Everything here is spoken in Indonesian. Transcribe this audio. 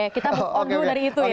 kita buka dulu dari itu ya